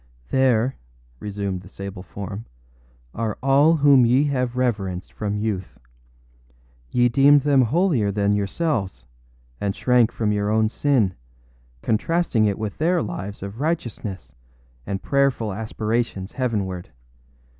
âThere,â resumed the sable form, âare all whom ye have reverenced from youth. Ye deemed them holier than yourselves, and shrank from your own sin, contrasting it with their lives of righteousness and prayerful aspirations heavenward.